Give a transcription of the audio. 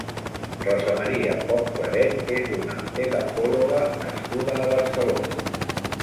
Rosa Maria Poch Claret és una edafòloga nascuda a Barcelona.